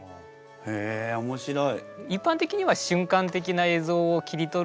へえ面白い。